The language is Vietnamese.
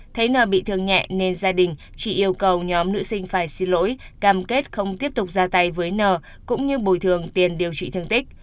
thấy nợ bị thương nhẹ nên gia đình chỉ yêu cầu nhóm nữ sinh phải xin lỗi cam kết không tiếp tục ra tay với n cũng như bồi thường tiền điều trị thương tích